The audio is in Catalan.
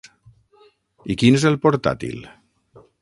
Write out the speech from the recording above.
I quin és el portàtil?